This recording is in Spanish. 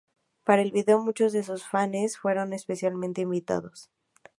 Para el video muchos de sus fanes fueron especialmente invitados.